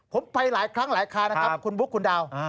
ผมไปหลายครั้งหลายครานะครับคุณบุ๊คคุณดาว